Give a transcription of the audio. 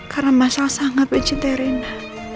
karena mas al sangat mencintai rena